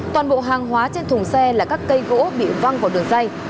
trong xe là các cây gỗ bị văng vào đường dây